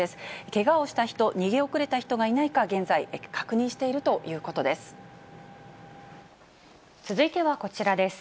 けがをした人、逃げ遅れた人がいないか、現在、確認しているということです。